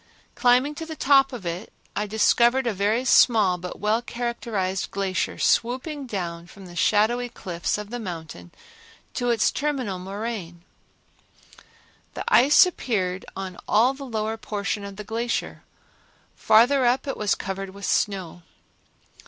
Climbing to the top of it, I discovered a very small but well characterized glacier swooping down from the shadowy cliffs of the mountain to its terminal moraine. The ice appeared on all the lower portion of the glacier; farther up it was covered with snow.